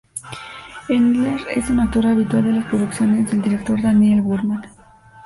Hendler es un actor habitual en las producciones del director Daniel Burman.